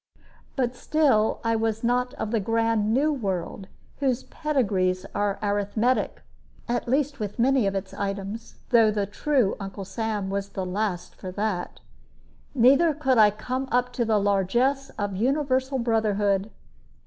But still I was not of the grand New World, whose pedigrees are arithmetic (at least with many of its items, though the true Uncle Sam was the last for that); neither could I come up to the largeness of universal brotherhood.